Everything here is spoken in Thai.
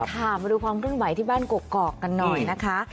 ค่ะมาดูความขึ้นไหวที่บ้านกกอกกันหน่อยนะคะ